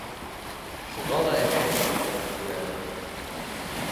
Шуға ла эшләйем мин уның һүрәтен.